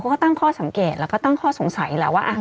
ก็ตั้งข้อสังเกตแล้วก็ตั้งข้อสงสัยแล้วว่า